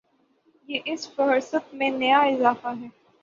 یہ اس فہرست میں نیا اضافہ ہے۔